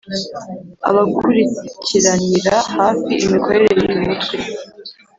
abakurikiranira hafi imikorere y’uyu mutwe